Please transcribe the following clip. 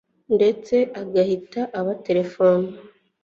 ndetse agahita abatelefona